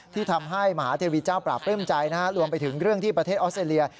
ที่ทำให้มหาเทวีเจ้าปราบปลื้มใจรวมไปถึงเรื่องที่ประเทศออสเตรเลีย